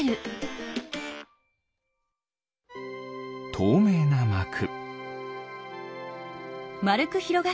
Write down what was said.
とうめいなまく。